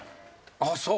あっそう。